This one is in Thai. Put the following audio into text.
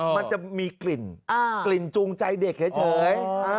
มันจะมีกลิ่นกลิ่นจูงใจเด็กเฉย